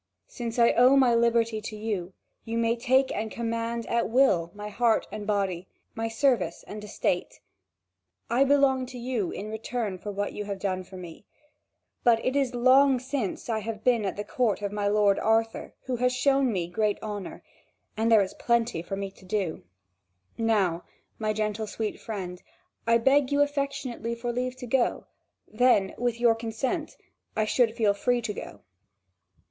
Since I owe my liberty to you, you may take and command at will my heart and body, my service and estate. I belong to you in return for what you have done for me; but it is long since I have been at the court of my lord Arthur, who has shown me great honour; and there is plenty there for me to do. Now, my sweet gentle friend, I beg you affectionately for leave to go; then, with your consent, I should feel free to go."